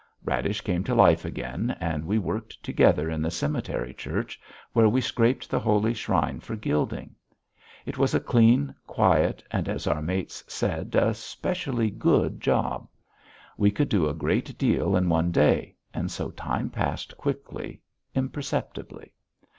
Radish came to life again and we worked together in the cemetery church, where we scraped the holy shrine for gilding. It was a clean, quiet, and, as our mates said, a specially good job. We could do a great deal in one day, and so time passed quickly, imperceptibly.